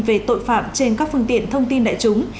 về tội phạm trên các phương tiện thông tin đại chúng